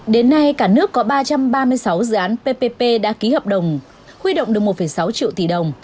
đến nay cả nước có ba trăm ba mươi sáu dự án ppp đã ký hợp đồng huy động được một sáu triệu tỷ đồng